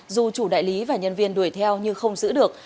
dù chủ đại lý và nhân viên đuổi theo nhưng không giữ được